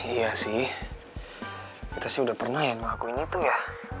iya sih kita sih udah pernah ya ngelakuin itu ya